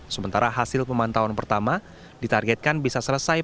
sementara hasil pemantauan pertama ditargetkan bisa selama lima belas bulan